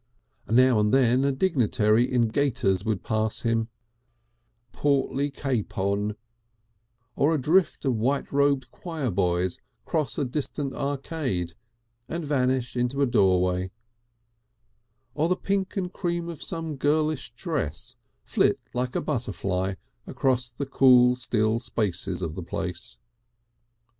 Now and then a dignitary in gaiters would pass him, "Portly capon," or a drift of white robed choir boys cross a distant arcade and vanish in a doorway, or the pink and cream of some girlish dress flit like a butterfly across the cool still spaces of the place.